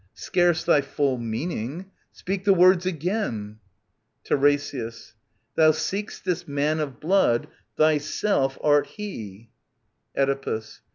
Scarce thy full meaning. Speak the words again. Tiresias. Thou seek*st this man of blood : Thyself art he Oedipus.